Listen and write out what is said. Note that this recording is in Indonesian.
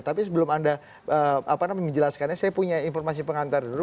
tapi sebelum anda menjelaskannya saya punya informasi pengantar dulu